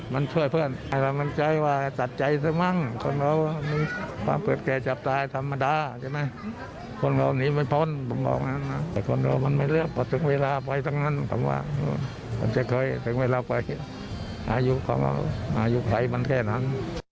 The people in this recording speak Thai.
มันจะเคยถึงเวลาไปอายุเขาอายุใครมันแค่นั้น